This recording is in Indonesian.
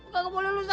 kau boleh lusan